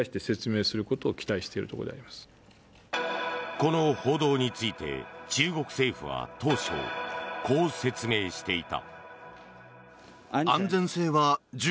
この報道について中国政府は当初、こう説明していた。